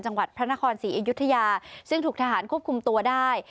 จังหวัดพระนครศรีอยุธยาซึ่งถูกทหารควบคุมตัวได้